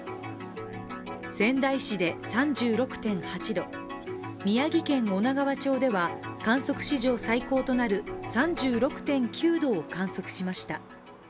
仙台市で３６．８度、宮城県女川町では観測史上最高となる３６．９度を観測しました。